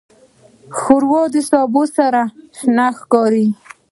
ښوروا د سبو سره شنه ښکاري.